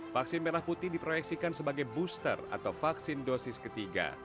vaksin merah putih diproyeksikan sebagai booster atau vaksin dosis ketiga